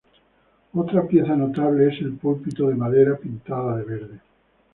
Otra pieza notable es el púlpito real, de madera pintada de verde.